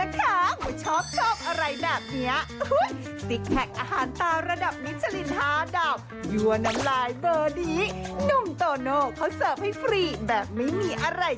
โปรดติดตามตอนต่อไป